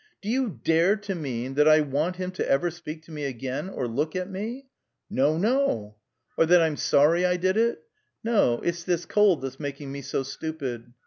Do you dare to mean that I want him to ever speak to me again or look at me?" "No, no " "Or that I'm sorry I did it?" "No; it's this cold that's making me so stupid."